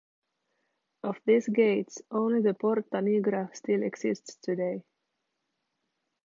Of these gates, only the Porta Nigra still exists today.